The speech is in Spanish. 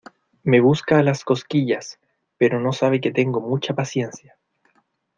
Me busca las cosquillas, pero no sabe que tengo mucha paciencia.